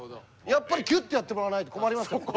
やっぱりキュッてやってもらわないと困ります。